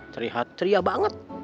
terlihat ceria banget